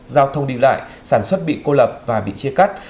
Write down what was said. giao thông đi lại sản xuất bị cô lập và bị chia cắt